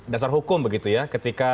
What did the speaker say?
dasar hukum begitu ya ketika